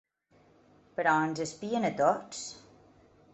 Però ens espien a tots?